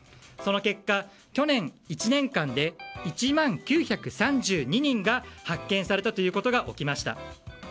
その結果去年１年間で１万９３２人が発見されたということが起きました。